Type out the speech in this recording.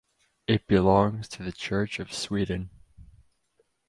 It belongs to the Church of Sweden.